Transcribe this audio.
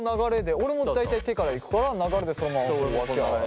俺も大体手からいくから流れでそのままこうわき洗って。